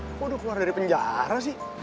aku udah keluar dari penjara sih